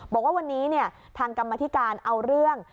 บอกว่าวันนี้ทางกรรมธิการเอาเรื่อง